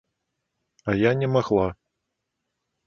А я не магла.